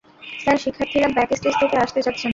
Sir, শিক্ষার্থীরা backstage থেকে আসতে চাচ্ছে না।